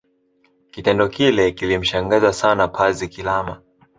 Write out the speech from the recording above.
Kitendo kile kilimshangaza sana Pazi Kilama